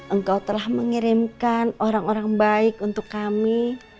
engkau telah mengirimkan orang orang baik untuk kami